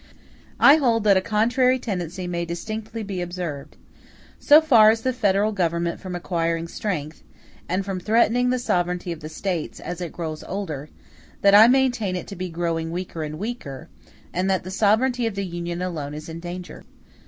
I hold that a contrary tendency may distinctly be observed. So far is the Federal Government from acquiring strength, and from threatening the sovereignty of the States, as it grows older, that I maintain it to be growing weaker and weaker, and that the sovereignty of the Union alone is in danger.